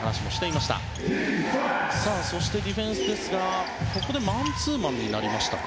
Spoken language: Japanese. そしてディフェンス、ここでマンツーマンになりましたか。